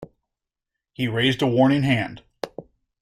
He raised a warning hand.